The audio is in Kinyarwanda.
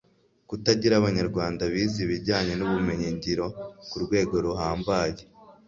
Kutagira abanyarwanda bize ibijyanye n’ubumenyi ngiro kurwego ruhambaye